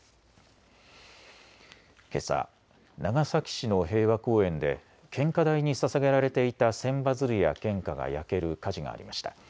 けさ長崎市の平和公園で献花台にささげられていた千羽鶴や献花が焼ける火事がありました。